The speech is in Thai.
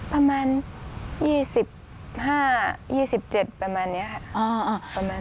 ประมาณ๒๕๒๗ประมาณนี้ค่ะ